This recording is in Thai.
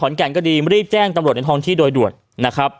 ก็ดีขอนแก่นก็ดีรีบแจ้งตำรวจในท้องที่โดยด่วน